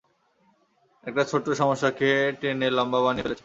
একটা ছোট্ট সমস্যাকে টেনে লম্বা বানিয়ে ফেলেছে।